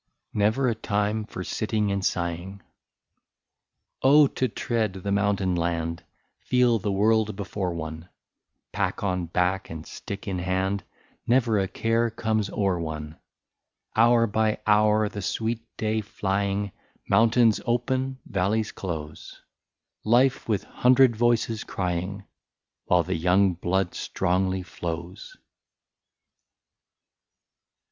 36 NEVER A TIME FOR SITTING AND SIGHING. Oh ! to tread the mountain land, Feel the world before one, Pack on back and stick in hand, — Never a care comes o'er one. Hour by hour the sweet day flying, Mountains open, valleys close, Life with hundred voices crying. While the young blood strongly flows.